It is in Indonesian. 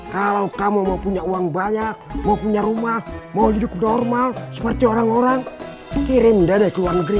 kalau kamu mau punya uang banyak mau punya rumah mau hidup normal seperti orang orang kirim dana ke luar negeri